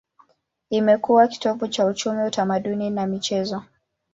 Imekuwa kitovu cha uchumi, utamaduni na michezo.